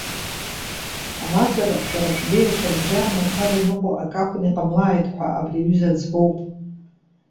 Амазара, шәарҭ шәбеиацәа рыбжьара мацара иныҟәо акы акәны иҟамлааит ҳәа абри аҩыза ӡбоуп.